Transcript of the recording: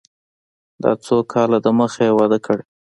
دا څو کاله د مخه يې واده کړى.